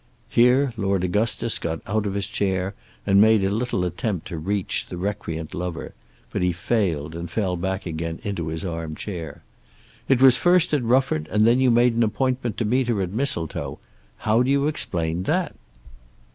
Here Lord Augustus got out of his chair, and made a little attempt to reach the recreant lover; but he failed and fell back again into his armchair. "It was first at Rufford, and then you made an appointment to meet her at Mistletoe. How do you explain that?"